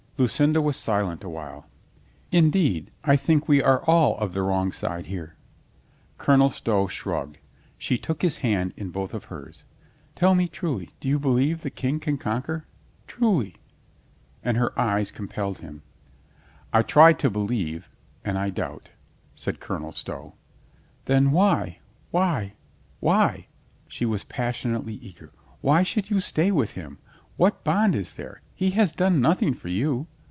Lucinda was silent a while. "Indeed, I think we are all of the wrong side here." Colonel Stow shrugged. She took his hand in both of hers. "Tell me truly — do you believe the King can conquer? Truly !" and her eyes compelled him. "I try to believe — and I doubt," said Colonel Stow. "Then why — why — why " she was passion ately eager — "why should you stay with him ? What bond is there? He has done nothing for you.